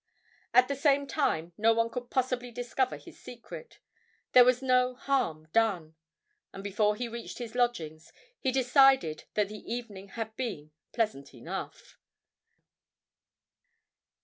At the same time no one could possibly discover his secret; there was no harm done. And before he reached his lodgings, he decided that the evening had been pleasant enough.